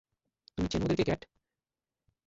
তুমি চেনো ওদেরকে, ক্যাট?